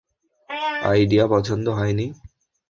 Idea পছন্দ হয়নি?